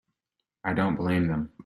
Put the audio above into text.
I don't blame them.